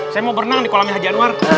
saya mau berenang di kolam haji anwar